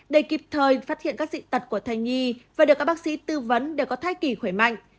để kịp thời phát hiện các dị tật của thai nhi và được các bác sĩ tư vấn để có thai kỳ khỏe mạnh